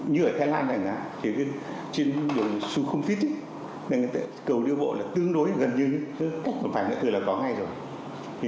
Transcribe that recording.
như ở thái lan này trên đường xuân khung phít cầu đưa bộ tương đối gần như tất cả mọi người tưởng là có ngay rồi